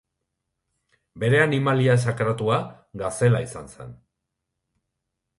Bere animalia sakratua, gazela izan zen.